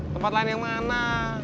tempat lain yang mana